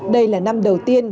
đây là năm đầu tiên